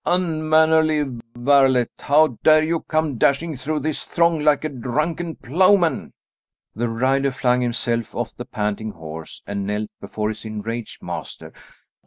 "Unmannerly varlet, how dare you come dashing through this throng like a drunken ploughman!" The rider flung himself off the panting horse and knelt before his enraged master.